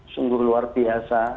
sungguh luar biasa